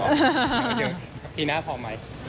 อาจารย์ปีหน้าพอไหม